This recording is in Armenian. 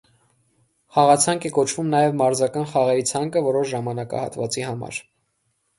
Խաղացանկ է կոչվում նաև մարզական խաղերի ցանկը որոշ ժամանակահատվածի համար։